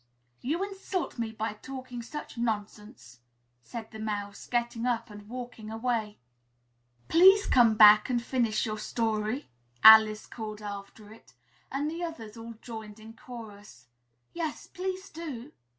"You insult me by talking such nonsense!" said the Mouse, getting up and walking away. "Please come back and finish your story!" Alice called after it. And the others all joined in chorus, "Yes, please do!"